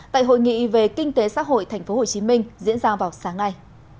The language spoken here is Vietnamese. tại hội nghị về kinh tế xã hội tp hcm diễn ra vào sáng nay